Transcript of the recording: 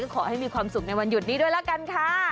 ขอให้มีความสุขในวันหยุดนี้ด้วยแล้วกันค่ะ